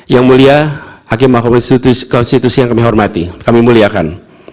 yang mulia hakim mahkamah konstitusi yang kami hormati kami muliakan